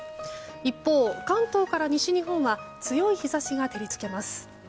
一方、関東から西日本は強い日差しが照り付けます。